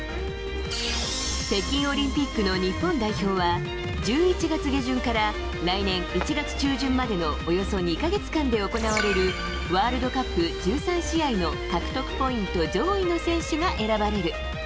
北京オリンピックの日本代表は１１月下旬から来年１月中旬までのおよそ２か月間で行われるワールドカップ１３試合の獲得ポイント上位の選手が選ばれる。